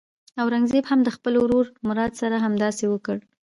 اورنګزېب هم د خپل ورور مراد سره همداسې وکړ.